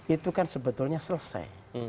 itu kan sebetulnya selesai